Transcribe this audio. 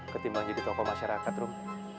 ketimbang jadi tokoh masyarakat rum